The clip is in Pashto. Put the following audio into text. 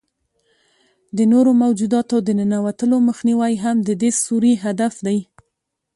د نورو موجوداتو د ننوتلو مخنیوی هم د دې سوري هدف دی.